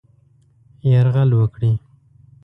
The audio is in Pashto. یرغل وکړي.